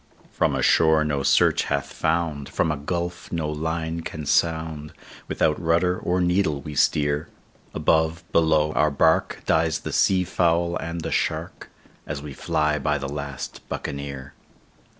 "From a shore no search hath found, from a gulf no line can sound, Without rudder or needle we steer; Above, below, our bark, dies the sea fowl and the shark, As we fly by the last Buccaneer.